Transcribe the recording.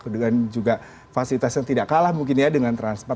dengan juga fasilitas yang tidak kalah mungkin ya dengan transmart